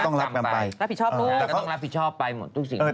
ก็ต้องรับผิดชอบไป